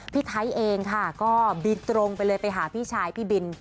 พี่ไทยเองค่ะก็บินตรงไปเลยไปหาพี่ชายพี่บิน